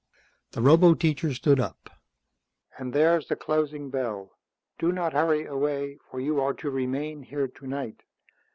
_" The roboteacher stood up. "And there's the closing bell. Do not hurry away, for you are to remain here tonight.